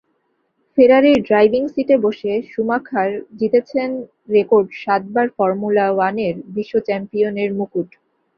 ফেরারির driving সিটে বসে Schumacher জিতেছেন রেকর্ড সাতবার ফর্মুলা ওয়ানের বিশ্ব চ্যাম্পিয়নের মুকুট।